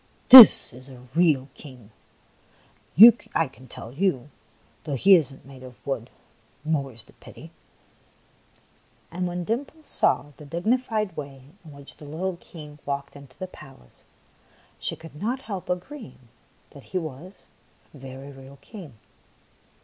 This is a real King, I can tell you, though he is n't made of wood, more 's the pity !" And when Dimples saw the dignified way in which the little King walked into the pal ace, she could not help agreeing that he was a very real King.